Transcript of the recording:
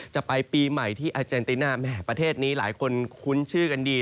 จะไปปีใหม่ที่อาเจนติน่าแหมประเทศนี้หลายคนคุ้นชื่อกันดี